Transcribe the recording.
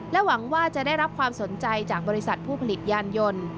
หวังว่าจะได้รับความสนใจจากบริษัทผู้ผลิตยานยนต์